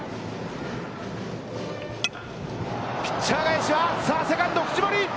ピッチャー返しは、さあ、セカンド藤森。